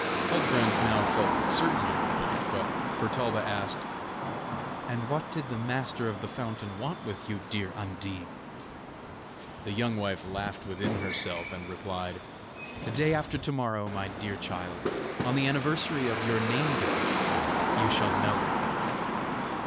Huldbrand now felt certain on the point, but Bertalda asked: "And what did the master of the fountain want with you, dear Undine?" The young wife laughed within herself, and replied: "The day after to morrow, my dear child, on the anniversary of your name day, you shall know it."